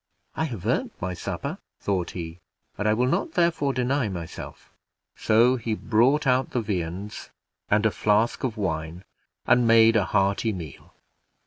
"I have earned my supper," thought he, "and I will not, therefore, deny myself." So ho brought out the viands and a flask of wine, and made a hearty meal.